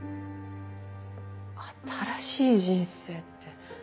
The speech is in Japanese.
新しい人生って。